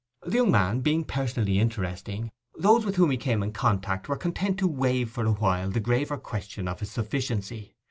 The young man being personally interesting, those with whom he came in contact were content to waive for a while the graver question of his sufficiency.